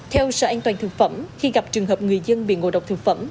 theo sở an toàn thực phẩm khi gặp trường hợp người dân bị ngộ độc thực phẩm